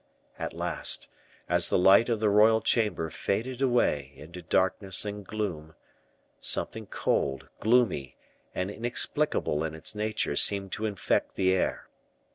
At last, as the light of the royal chamber faded away into darkness and gloom, something cold, gloomy, and inexplicable in its nature seemed to infect the air.